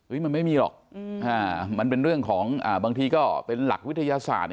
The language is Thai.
มันไม่มีหรอกมันเป็นเรื่องของบางทีก็เป็นหลักวิทยาศาสตร์